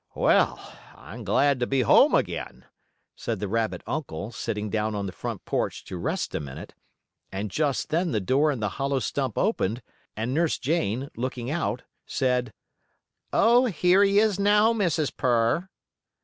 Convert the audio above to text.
"Well, I'm glad to be home again," said the rabbit uncle, sitting down on the front porch to rest a minute. And just then the door in the hollow stump opened, and Nurse Jane, looking out, said: "Oh, here he is now, Mrs. Purr."